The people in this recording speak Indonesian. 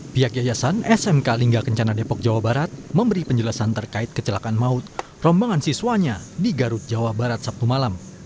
pihak yayasan smk lingga kencana depok jawa barat memberi penjelasan terkait kecelakaan maut rombongan siswanya di garut jawa barat sabtu malam